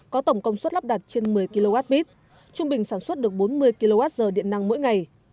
có tổng công suất lắp đặt trên một mươi kwh trung bình sản xuất được bốn mươi kwh điện năng mỗi ngày